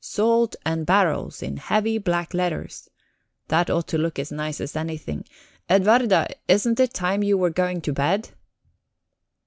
'Salt and barrels' in heavy black letters that ought to look as nice as anything... Edwarda, isn't it time you were going to bed?"